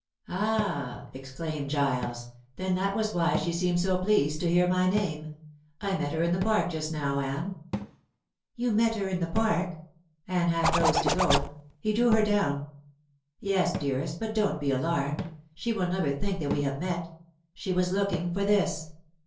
"Ah!" exclaimed Giles, "then that was why she seemed so pleased to hear my name. I met her in the park just now, Anne " "You met her in the park?" Anne half rose to go. He drew her down. "Yes, dearest. But don't be alarmed. She will never think that we have met. She was looking for this."